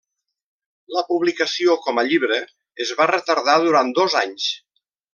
La publicació com a llibre es va retardar durant dos anys.